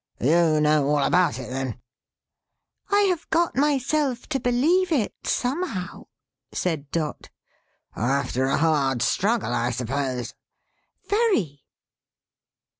"You know all about it then?" "I have got myself to believe it, somehow," said Dot. "After a hard struggle, I suppose?" "Very."